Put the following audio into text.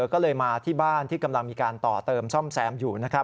ก็เลยมาที่บ้านที่กำลังมีการต่อเติมซ่อมแซมอยู่นะครับ